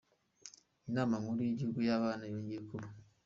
Inama nkuru y’igihugu y’abana yongeye kuba